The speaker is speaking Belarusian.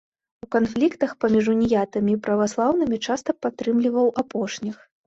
У канфліктах паміж уніятамі і праваслаўнымі часта падтрымліваў апошніх.